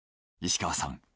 石川さん